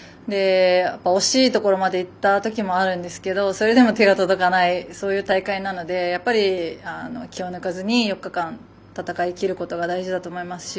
惜しいところまでいったときもあるんですけどそれでも手が届かないそういう大会なのでやっぱり気を抜かずに４日間戦いきることが大事だと思いますし。